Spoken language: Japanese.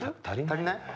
足りないね。